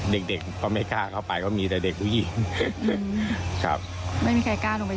เด็กเด็กก็ไม่กล้าเข้าไปก็มีแต่เด็กผู้หญิงครับไม่มีใครกล้าลงไป